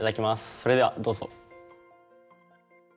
それではどうぞ。